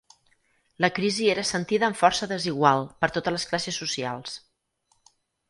La crisi era sentida amb força desigual per totes les classes socials.